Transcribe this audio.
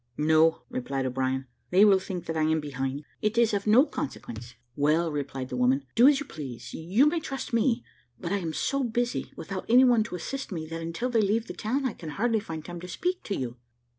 "No," replied O'Brien; "they will think that I am behind. It is of no consequence." "Well," replied the woman, "do as you please, you may trust me; but I am so busy, without anyone to assist me, that until they leave the town, I can hardly find time to speak to you."